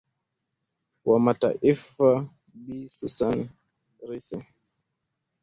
wa mataifa bi susan rice